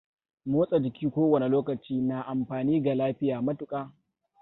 Motsa jiki ko wane lokaci na amfani ga lafiya matuƙa.